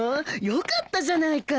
よかったじゃないか。